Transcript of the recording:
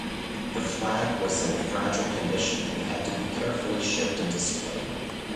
The flag was in fragile condition and had to be carefully shipped and displayed.